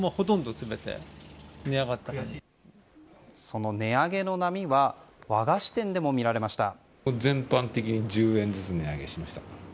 その値上げの波は和菓子店でも見られました。